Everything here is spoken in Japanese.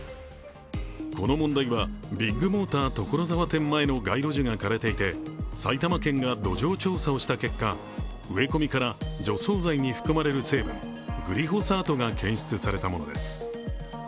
この問題はビッグモーター所沢店前の街路樹が枯れていて埼玉県が土壌調査をした結果、植え込みから除草剤に含まれる成分、グリホサートが検出されたものです。